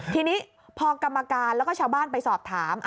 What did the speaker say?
ทีนี้พอกรรมการแล้วก็ชาวบ้านไปสอบถาม